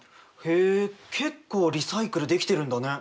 へえ結構リサイクルできてるんだね。